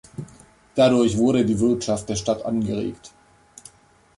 Dadurch wurde die Wirtschaft der Stadt angeregt.